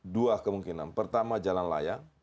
dua kemungkinan pertama jalan layang